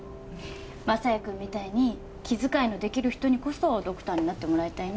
雅也君みたいに気遣いの出来る人にこそドクターになってもらいたいな。